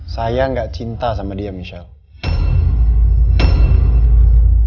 saya gak cinta sama dia michelle